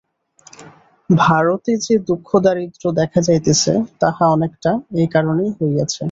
ভারতে যে দুঃখদারিদ্র্য দেখা যাইতেছে, তাহা অনেকটা এই কারণেই হইয়াছে।